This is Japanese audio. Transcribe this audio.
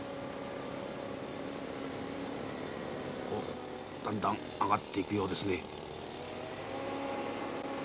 おっだんだん上がっていくようですね。